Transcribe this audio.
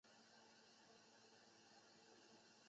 齐森命贪污的警长带消息回去给柏格。